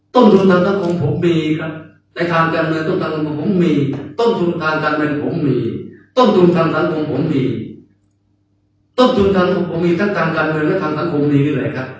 ต้องจูนทางทางความมีต้องจูนทางความมีทั้งการเงินและทางความมีที่ไหนครับ